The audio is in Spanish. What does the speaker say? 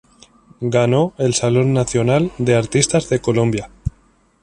Ganó el Salón Nacional de Artistas de Colombia.